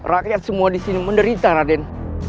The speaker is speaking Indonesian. rakyat semua disini menderita raden